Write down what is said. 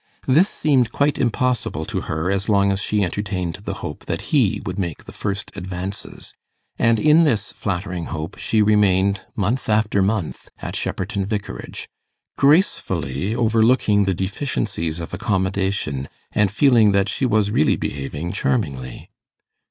This seemed quite impossible to her as long as she entertained the hope that he would make the first advances; and in this flattering hope she remained month after month at Shepperton Vicarage, gracefully overlooking the deficiencies of accommodation, and feeling that she was really behaving charmingly.